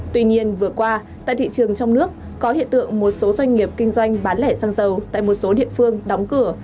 tuy nhiên vừa qua tại thị trường trong nước có hiện tượng một số doanh nghiệp kinh doanh bán lẻ xăng dầu tại một số địa phương đóng cửa